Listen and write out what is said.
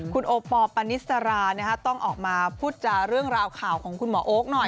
คุณโอปอลปานิสราต้องออกมาพูดจาเรื่องราวข่าวของคุณหมอโอ๊คหน่อย